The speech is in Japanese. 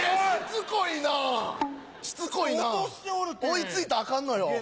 追い付いたらあかんのよ